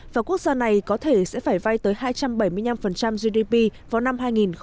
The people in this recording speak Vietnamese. và quốc gia này có thể sẽ phải vay tới hai trăm bảy mươi năm gdp vào năm hai nghìn hai mươi